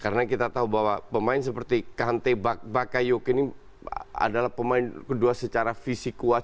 karena kita tahu bahwa pemain seperti kante bakayoke ini adalah pemain kedua secara fisik kuat